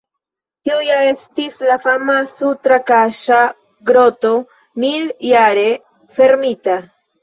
Tio ja estis la fama sutro-kaŝa groto mil-jare fermita.